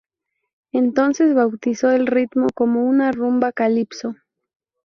Entonces bautizó el ritmo como una "rumba calipso".